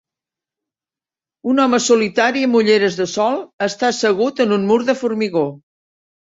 un home solitari amb ulleres de sol està assegut en un mur de formigó